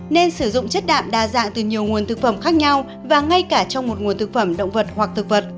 nên sử dụng chất đạm đa dạng từ nhiều nguồn thực phẩm khác nhau và ngay cả trong một nguồn thực phẩm động vật hoặc thực vật